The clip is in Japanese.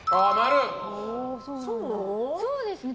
そうですね。